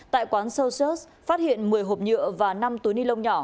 tại quán socius phát hiện một mươi hộp nhựa và năm túi ni lông nhỏ